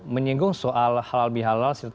menyinggung soal halal bihalal